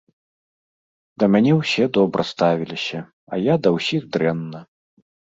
Да мяне ўсе добра ставіліся, а я да ўсіх дрэнна.